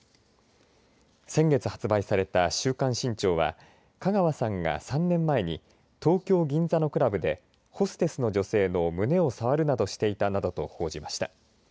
先月発売された週刊新潮は香川さんが３年前に東京、銀座のクラブでホステスの女性の胸を触るなどしていたなどと報じました。